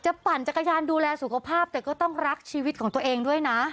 ปั่นจักรยานดูแลสุขภาพแต่ก็ต้องรักชีวิตของตัวเองด้วยนะ